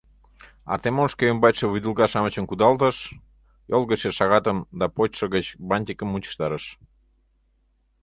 Артемон шке ӱмбачше вӱдылка-шамычым кудалтыш, йол гычше шагатым да почшо гыч бантикым мучыштарыш.